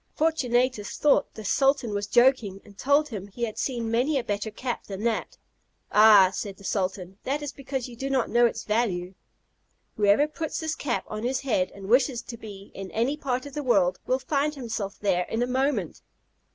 Fortunatus thought the sultan was joking, and told him he had seen many a better cap than that. "Ah!" said the sultan, "that is because you do not know its value. Whoever puts this cap on his head, and wishes to be in any part of the world, will find himself there in a moment."